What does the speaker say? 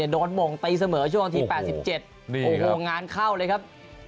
หม่งตีเสมอช่วงนาที๘๗โอ้โหงานเข้าเลยครับ